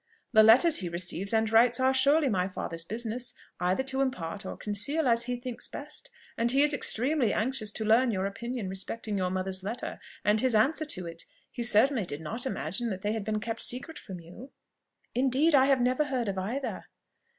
The letters he receives and writes are surely my father's business either to impart or conceal, as he thinks best; and he is extremely anxious to learn your opinion respecting your mother's letter, and his answer to it. He certainly did not imagine that they had been kept secret from you." "Indeed I have never heard of either."